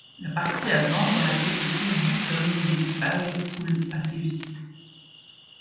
La partie avant dans laquelle se trouvent huit hommes d'équipage coule assez vite.